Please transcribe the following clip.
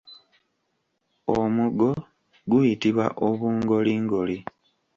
Omugo guyitibwa obungolingoli.